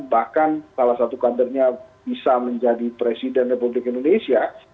bahkan salah satu kadernya bisa menjadi presiden republik indonesia